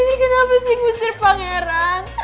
ini kenapa sih ngusir pangeran